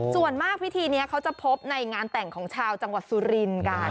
ส่วนมากพิธีนี้เขาจะพบในงานแต่งของชาวจังหวัดสุรินทร์กัน